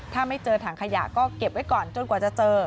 ถ้าไม่เจอถังขยะก็เก็บไว้ก่อนจนกว่าจะเจอ